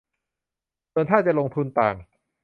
ส่วนถ้าจะลงทุนต่าง